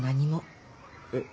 えっ？